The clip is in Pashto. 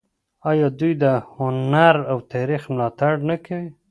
آیا دوی د هنر او تاریخ ملاتړ نه کوي؟